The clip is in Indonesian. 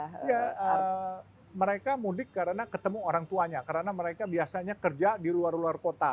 iya mereka mudik karena ketemu orang tuanya karena mereka biasanya kerja di luar luar kota